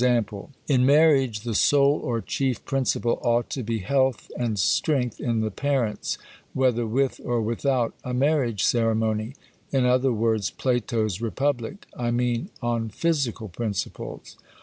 _ in marriage the sole or chief principle ought to be health and strength in the parents whether with or without a marriage ceremony in other words Plato's Republic: I mean on physical principles.